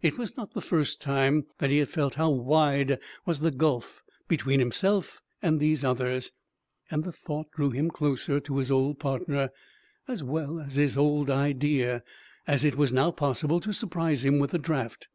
It was not the first time that he had felt how wide was the gulf between himself and these others, and the thought drew him closer to his old partner, as well as his old idea, as it was now possible to surprise him with the draft.